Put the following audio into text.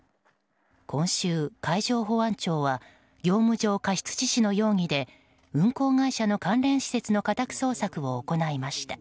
今週、海上保安庁は業務上過失致死の容疑で運航会社の関連施設の家宅捜索を行いました。